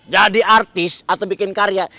artis atau bikin karya